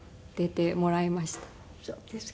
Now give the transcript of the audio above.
そうですか。